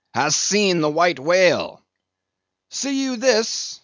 "Hast seen the White Whale?" "See you this?"